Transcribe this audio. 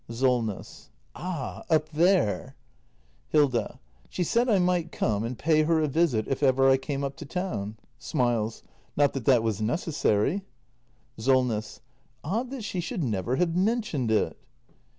Solness. Ah, up there ? Hilda. She said I might come and pay her a visit if ever I came up to town. [Smiles.] Not that that was neces sary. Solness. Odd that she should never have mentioned it.